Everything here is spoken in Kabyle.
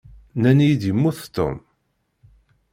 Nnan-iyi-d yemmut Tom.